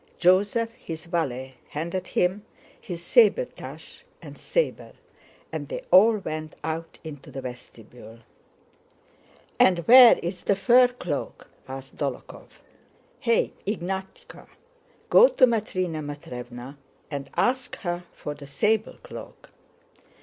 Joseph, his valet, handed him his sabretache and saber, and they all went out into the vestibule. "And where's the fur cloak?" asked Dólokhov. "Hey, Ignátka! Go to Matrëna Matrévna and ask her for the sable cloak.